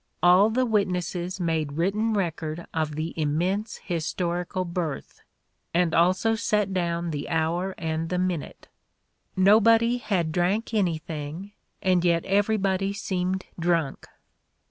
All the witnesses made written record of the immense historical birth ... and also set down the hour and the minute. Nobody had drank anything, and yet everybody seemed drunk.